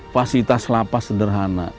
fasitas lapas sederhana